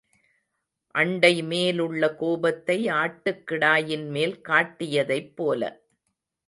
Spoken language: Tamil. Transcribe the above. அண்டை மேலுள்ள கோபத்தை ஆட்டுக்கிடாயின் மேல் காட்டியதைப் போல.